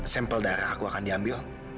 sampel darah aku akan diambil